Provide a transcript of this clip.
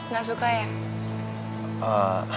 gak suka ya